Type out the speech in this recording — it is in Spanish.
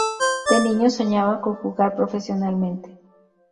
De niño soñaba con jugar profesionalmente.